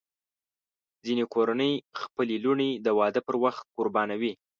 ځینې کورنۍ خپلې لوڼې د واده پر وخت قربانوي.